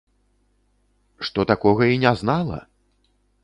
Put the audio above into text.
Што такога і не знала!